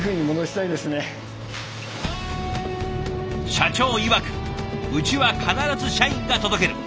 社長いわくうちは必ず社員が届ける。